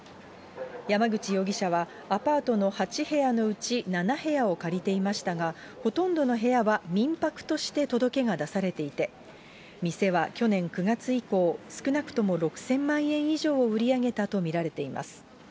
山口容疑者はアパートの８部屋のうち７部屋を借りていましたが、ほとんどの部屋は民泊として届けが出されていて、店は去年９月以降、少なくとも６０００万円以上を売り上げたと見られています。